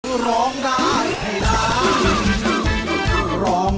คือร้องได้ให้ร้าน